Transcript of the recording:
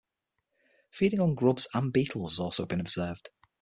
Feeding on grubs and beetles has also been observed.